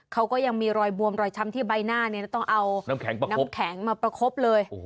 เขาก็ยังมีรอยบวมรอยช้ำที่ใบหน้าเนี่ยต้องเอาน้ำแข็งน้ำแข็งมาประคบเลย